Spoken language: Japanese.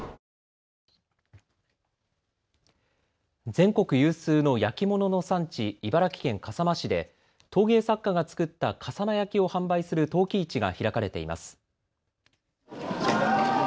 全国有数の焼き物の産地、茨城県笠間市で陶芸作家が作った笠間焼を販売する陶器市が開かれています。